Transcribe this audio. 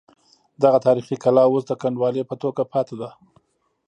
دغه تاریخي کلا اوس د کنډوالې په توګه پاتې ده.